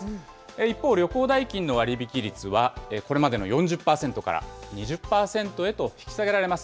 一方、旅行代金の割引率は、これまでの４０％から２０％へと引き下げられます。